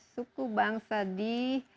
suku bangsa di